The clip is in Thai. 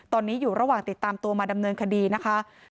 ตอนนี้อยู่ระหว่างติดตามตัวมาดำเนินคดีนะคะ